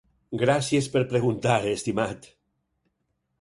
Gràcies per preguntar, estimat.